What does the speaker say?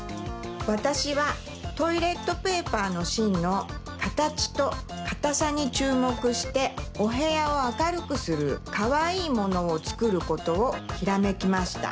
わたしはトイレットペーパーのしんのかたちとかたさにちゅうもくしておへやをあかるくするかわいいものをつくることをひらめきました。